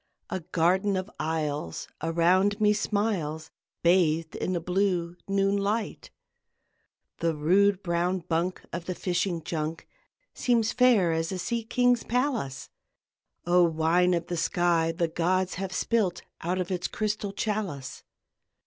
A garden of isles around me smiles, Bathed in the blue noon light, The rude brown bunk of the fishing junk Seems fair as a sea king's palace: O wine of the sky the gods have spilt Out of its crystal chalice!